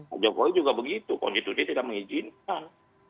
pak jokowi juga begitu konstitusi tidak mengizinkan